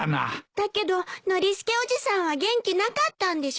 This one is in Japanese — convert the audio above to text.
だけどノリスケおじさんは元気なかったんでしょ？